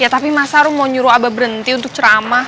tapi masa ru mau nyuruh abah berhenti untuk ceramah